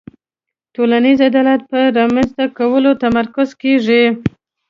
ټولنیز عدالت په رامنځته کولو تمرکز کیږي.